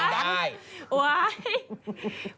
วิเคราะห์แม่ภัษ